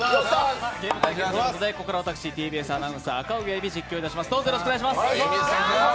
ゲーム対決ということでここから私、ＴＢＳアナウンサー赤荻歩、実況いたします。